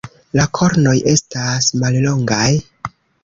La kornoj estas mallongaj.